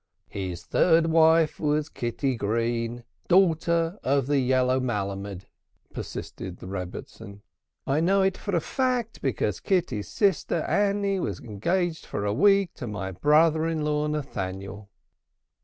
"His third wife was Kitty Green, daughter of the yellow Melammed," persisted the Rebbitzin. "I know it for a fact, because Kitty's sister Annie was engaged for a week to my brother in law Nathaniel."